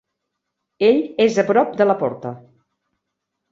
Ell és a prop de la porta.